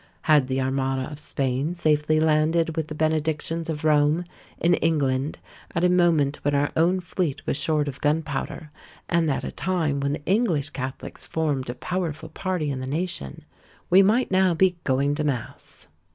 Had the armada of Spain safely landed with the benedictions of Rome, in England, at a moment when our own fleet was short of gunpowder, and at a time when the English catholics formed a powerful party in the nation, we might now be going to mass.